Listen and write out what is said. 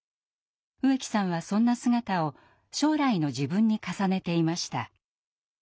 植木さんはそんな姿を将来の自分に重ねていました。